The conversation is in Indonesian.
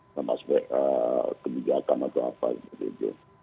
sama aspek kebijakan atau apa gitu gitu